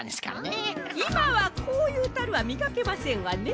いまはこういうたるはみかけませんわね。